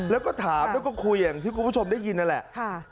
แล้วก็ถามแล้วก็คุยอย่างที่คุณผู้ชมได้ยินนั่นแหละ